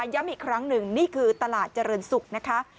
ย้ำอีกครั้งหนึ่งนี่คือตลาดเจริญศุกร์นะคะ